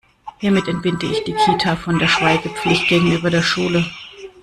Hiermit entbinde ich die Kita von der Schweigepflicht gegenüber der Schule.